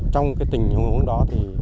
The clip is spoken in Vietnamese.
trong tình huống đó